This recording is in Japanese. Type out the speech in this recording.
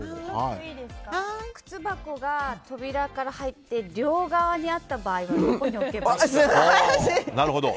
靴箱が、扉から入って両側にあった場合はどこに置けばいいですか？